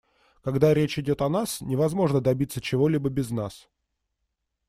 Когда речь идет о нас, невозможно добиться чего-либо без нас.